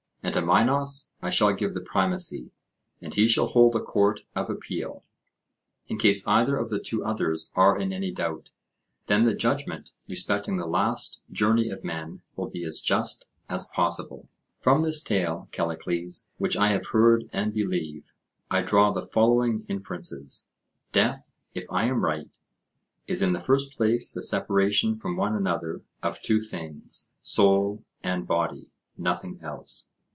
And to Minos I shall give the primacy, and he shall hold a court of appeal, in case either of the two others are in any doubt:—then the judgment respecting the last journey of men will be as just as possible." From this tale, Callicles, which I have heard and believe, I draw the following inferences:—Death, if I am right, is in the first place the separation from one another of two things, soul and body; nothing else.